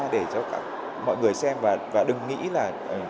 để cho mọi người xem và đừng nghĩ là